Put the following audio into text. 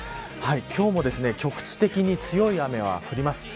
今日も局地的に強い雨は降ります。